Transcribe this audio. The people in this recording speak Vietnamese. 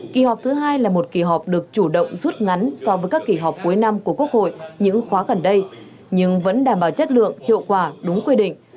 kỳ họp thứ hai là một kỳ họp được chủ động rút ngắn so với các kỳ họp cuối năm của quốc hội những khóa gần đây nhưng vẫn đảm bảo chất lượng hiệu quả đúng quy định